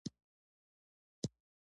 د انسان زړه د پراشوټ په شان دی پوه شوې!.